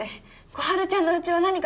心春ちゃんのうちは何か